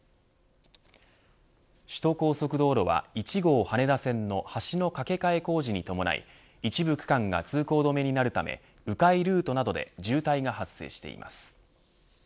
首都高速道路は１号羽田線の橋の架け替え工事に伴い一部区間が通行止めになるためう回ルートなどで渋滞が発生しています。